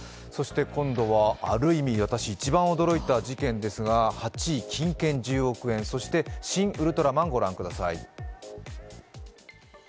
今度は、ある意味、私一番驚いた事件ですが、８位、金券１０億円、そして「シン・ウルトラマン」御覧ください。